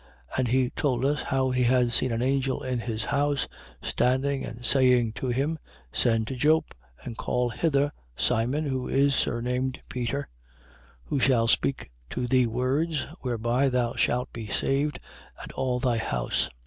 11:13. And he told us how he had seen an angel in his house, standing and saying to him: Send to Joppe and call hither Simon, who is surnamed Peter, 11:14. Who shall speak to thee words whereby thou shalt be saved, and all thy house.